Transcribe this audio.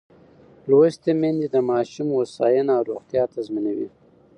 لوستې میندې د ماشوم هوساینه او روغتیا تضمینوي.